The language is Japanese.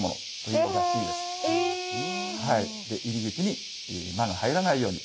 入り口に魔が入らないように。